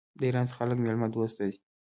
د ایران خلک میلمه دوست دي.